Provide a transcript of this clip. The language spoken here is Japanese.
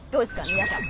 皆さん。